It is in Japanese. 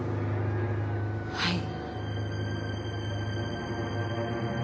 はい。